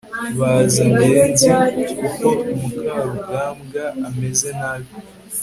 baza ngenzi uko mukarugambwa ameze nabi